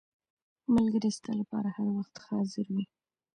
• ملګری ستا لپاره هر وخت حاضر وي.